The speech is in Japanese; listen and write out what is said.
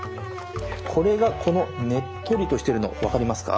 これがこのねっとりとしてるの分かりますか？